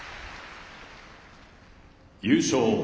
優勝